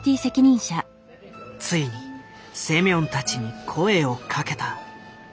ついにセミョンたちに声をかけた。